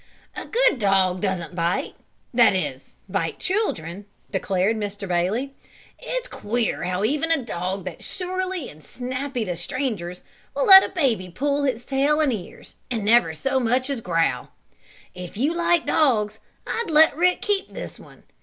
"A good dog doesn't bite that is bite children," declared Mr. Bailey. "It's queer how even a dog that's surly and snappy to strangers will let a baby pull his tail and ears, and never so much as growl. If you like dogs I'd let Rick keep this one.